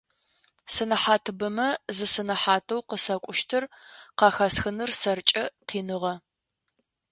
Сэнэхьатыбэмэ зы сэнэхьатэу къысэкӏущтыр къахэсхыныр сэркӏэ къиныгъэ.